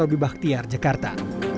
sama roby bakhtiar jakarta